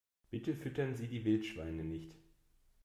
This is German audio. Bitte füttern Sie die Wildschweine nicht!